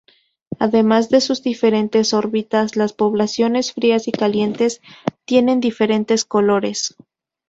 Además de sus diferentes órbitas, las poblaciones frías y calientes tienen diferentes colores.